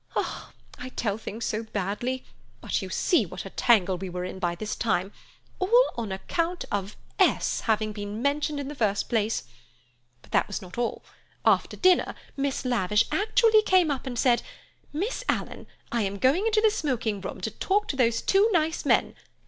I tell things so badly; but you see what a tangle we were in by this time, all on account of S. having been mentioned in the first place. But that was not all. After dinner Miss Lavish actually came up and said: 'Miss Alan, I am going into the smoking room to talk to those two nice men.